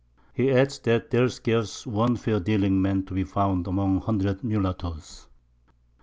He adds that there's scarce one fair dealing Man to be found among 100 Mullattoes.